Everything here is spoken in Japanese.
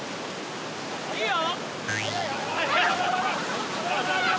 ・いいよ。